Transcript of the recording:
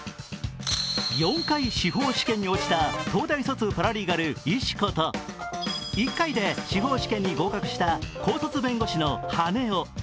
４回司法試験に落ちた東大卒パラリーガル・石子と１回で司法試験に合格した高卒弁護士の羽男。